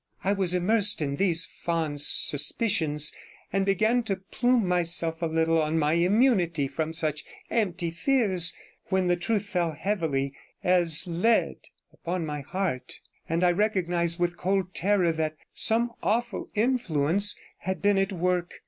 I was immersed in these fond suspicions, and began to plume myself a little on my immunity from such empty fears, when the truth fell heavily as lead upon my heart, and I recognized with cold terror that some awful influence had been at work.